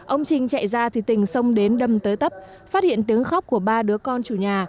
ông trình chạy ra thì tình xông đến đâm tới tấp phát hiện tiếng khóc của ba đứa con chủ nhà